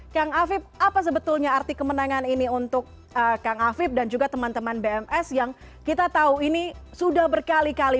kang afib apa sebetulnya arti kemenangan ini untuk kang afib dan juga teman teman bms yang kita tahu ini sudah berkali kali